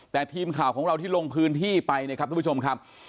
แต่ทีมข่าวของเราที่ลงพื้นที่ไปนะครับทุกผู้ชมครับ